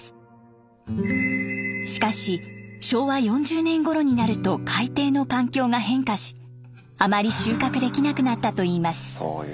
しかし昭和４０年ごろになると海底の環境が変化しあまり収穫できなくなったといいます。